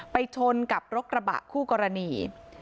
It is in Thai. ชนกับรถกระบะคู่กรณี